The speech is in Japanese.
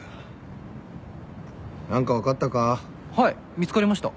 見つかりました。